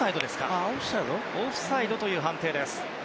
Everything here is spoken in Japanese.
オフサイドという判定。